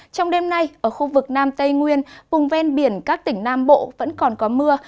trong đêm nay ở khu vực nam tây nguyên vùng ven biển các tỉnh nam bộ vẫn còn có mưa